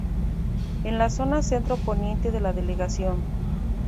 En la zona centro-poniente de la delegación.